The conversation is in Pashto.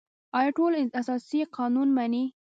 آیا ټول اساسي قانون مني؟